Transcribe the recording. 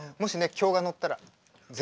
興が乗ったらね。